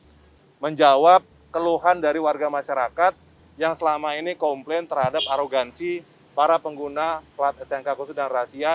saya menjawab keluhan dari warga masyarakat yang selama ini komplain terhadap arogansi para pengguna plat stnk khusus dan rahasia